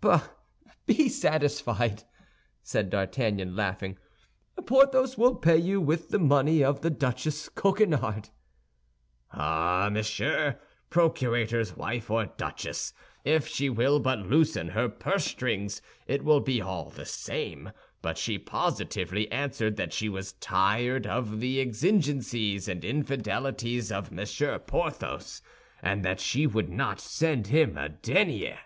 "Bah! Be satisfied," said D'Artagnan, laughing, "Porthos will pay you with the money of the Duchess Coquenard." "Oh, monsieur, procurator's wife or duchess, if she will but loosen her pursestrings, it will be all the same; but she positively answered that she was tired of the exigencies and infidelities of Monsieur Porthos, and that she would not send him a denier."